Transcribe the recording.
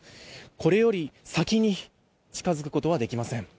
これより先に近づくことはできません。